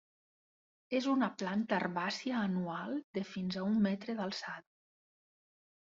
És una planta herbàcia anual de fins a un metre d'alçada.